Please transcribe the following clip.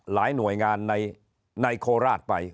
หน่วยงานในโคราชไป